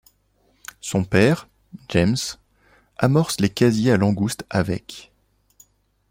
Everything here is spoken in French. Son père, James, amorce les casiers à langouste avec.